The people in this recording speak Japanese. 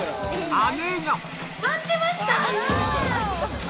姉が待ってました！